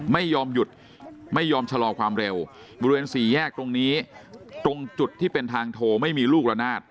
ไม่ยอมหยุดไม่ยอมชะลอความเร็วบริเวณสี่แยกตรงนี้ตรงจุดที่เป็นทางโทไม่มีลูกระนาด